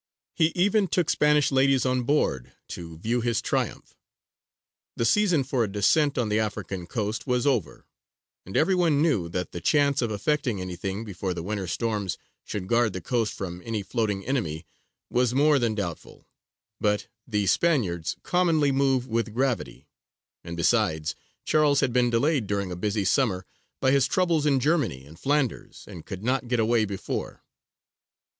He even took Spanish ladies on board to view his triumph. The season for a descent on the African coast was over, and every one knew that the chance of effecting anything before the winter storms should guard the coast from any floating enemy was more than doubtful; but "the Spaniards commonly move with gravity"; and besides, Charles had been delayed during a busy summer by his troubles in Germany and Flanders, and could not get away before.